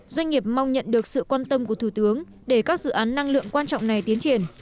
doanh nghiệp mong nhận được sự quan tâm của thủ tướng để các dự án năng lượng quan trọng này tiến triển